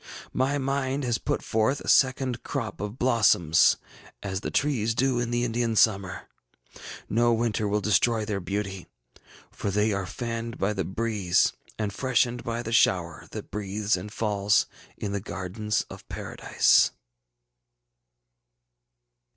My mind has put forth a second crop of blossoms, as the trees do in the Indian summer. No winter will destroy their beauty, for they are fanned by the breeze and freshened by the shower that breathes and falls in the gardens of Paradise!